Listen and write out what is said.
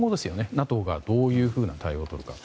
ＮＡＴＯがどういう対応をとるか。